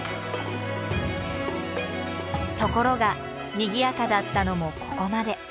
ところがにぎやかだったのもここまで。